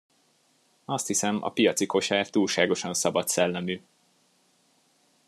Azt hiszem, a piaci kosár túlságosan szabad szellemű!